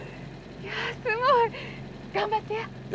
いやすごい。頑張ってや。